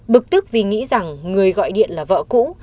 bực tức vì nghĩ rằng người gọi điện là vợ cũ